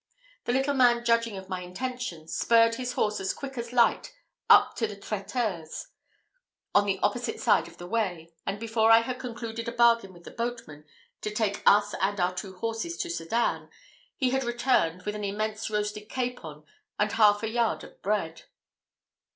The little man judging of my intentions, spurred his horse as quick as light up to a traiteur's on the opposite side of the way; and, before I had concluded a bargain with the boatman to take us and our two horses to Sedan, he had returned with an immense roasted capon and half a yard of bread.